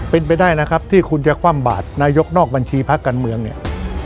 เป็นไปได้นะครับที่คุณจะคว่ำบาดนายกนอกบัญชีพักการเมืองเนี่ย